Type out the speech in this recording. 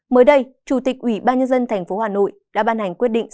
mới đây chủ tịch ủy ban nhân dân tp hà nội đã ban hành quyết định